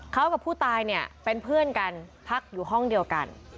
เขากับผู้ตายเนี่ยเป็นเพื่อนกันพักอยู่ห้องเดียวกัน